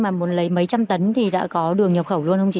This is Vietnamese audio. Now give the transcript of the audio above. mà muốn lấy mấy trăm tấn thì đã có đường nhập khẩu luôn không chị